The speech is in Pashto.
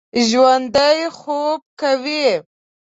ژوندي خوب کوي